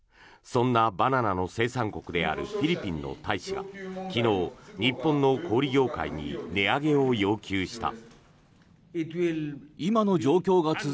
そんなバナナの生産国であるフィリピンの大使が昨日、日本の小売業界に値上げを要求した。